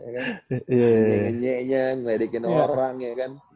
kayaknya ngeledekin orang ya kan